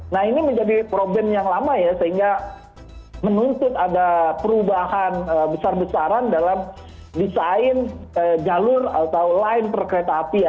nah ini menjadi problem yang lama ya sehingga menuntut ada perubahan besar besaran dalam desain jalur atau line per kereta api